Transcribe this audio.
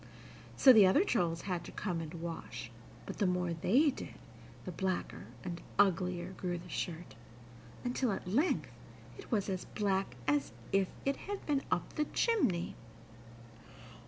So the other trolls had to come and wash, but, the more they did, the blacker and uglier grew the shirt, until at length it was as black as if it had been up the chimney.